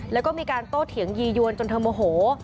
แล้วก็มีการโต้เถียงยียวนจนเธอโมโห